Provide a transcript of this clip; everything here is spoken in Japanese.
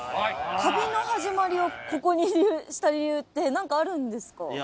旅の始まりをここにした理由って何かあるんですか？